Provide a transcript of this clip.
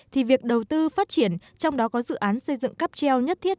thì việc đầu tư phát triển trong đó có dự án xây dựng cáp treo nhất thiết